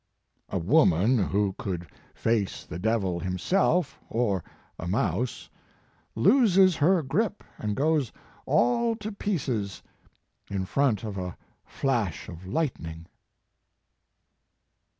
"A woman who could face the aevil himself or a mouse loses her grip and goes all to pieces in front of a flash of lightning."